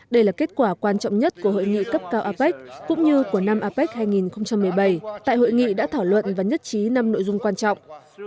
đây là kết quả quan trọng nhất của hội nghị cấp cao apec cũng như của năm apec hai nghìn một mươi bảy tại hội nghị đã thảo luận và nhất trí năm nội dung quan trọng